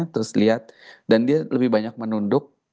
terus lihat dan dia lebih banyak menunduk